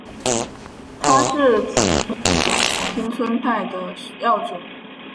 他是自由民主党町村派的要角。